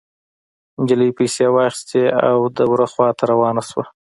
نجلۍ پيسې واخيستې او د وره خوا ته روانه شوه.